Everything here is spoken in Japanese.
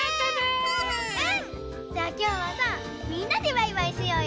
じゃあきょうはさみんなでバイバイしようよ。